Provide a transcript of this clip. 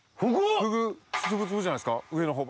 粒々じゃないですか上のほう。